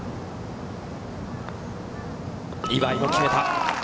岩井も決めた。